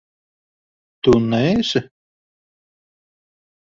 Tu neesi?